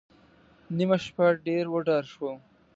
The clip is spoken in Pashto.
نیمه شپه ډېر وډار شوم.